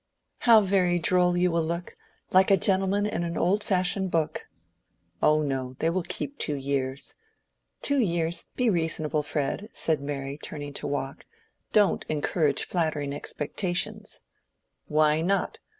"How very droll you will look!—like a gentleman in an old fashion book." "Oh no, they will keep two years." "Two years! be reasonable, Fred," said Mary, turning to walk. "Don't encourage flattering expectations." "Why not?